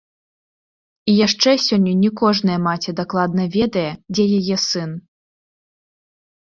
І яшчэ сёння не кожная маці дакладна ведае, дзе яе сын.